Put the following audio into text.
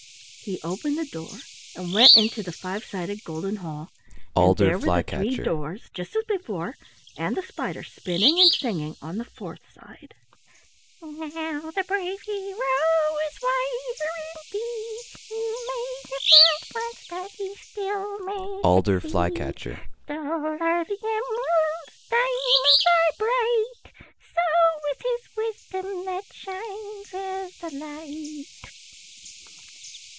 He opened the door and went into the five sided golden hall, and there were the three doors just as before, and the spider spinning and singing on the fourth side: "Now the brave hero is wiser indeed; He may have failed once, but he still may succeed. Dull are the emeralds; diamonds are bright; So is his wisdom that shines as the light."